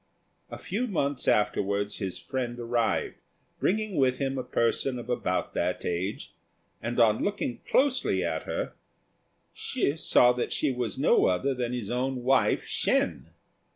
A few months afterwards his friend arrived, bringing with him a person of about that age; and on looking closely at her, Hsi saw that she was no other than his own wife Shên!